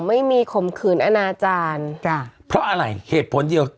ข่มขืนอนาจารย์จ้ะเพราะอะไรเหตุผลเดียว